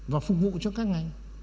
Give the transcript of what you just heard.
và phục vụ cho các ngành